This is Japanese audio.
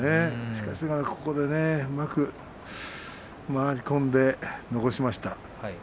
しかしながら土俵際、うまく回り込んで残しました。